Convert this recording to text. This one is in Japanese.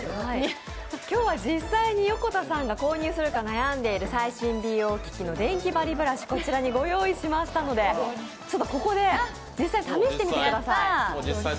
今日は実際に横田さんが購入するかどうか迷っているデンキバリブラシ、こちらにご用意しましたのでここで実際、試してみてください。